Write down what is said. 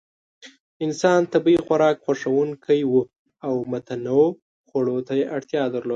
انسان طبیعي خوراک خوښونکی و او متنوع خوړو ته یې اړتیا درلوده.